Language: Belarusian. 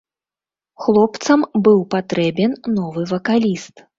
Хлопцам быў патрэбен новы вакаліст.